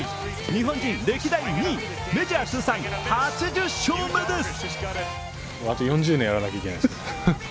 日本人歴代２位、メジャー通算８０勝目です。